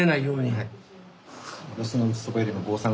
はい。